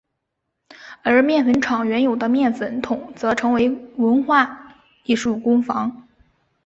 而面粉厂原有的面粉筒则成为文化艺术工坊。